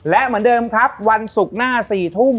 และเหมือนเดิมครับวันศุกร์หน้า๔ทุ่ม